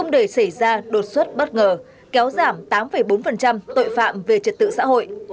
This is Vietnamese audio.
để xảy ra đột xuất bất ngờ kéo giảm tám bốn tội phạm về trật tự xã hội